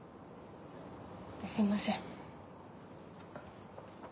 すいません。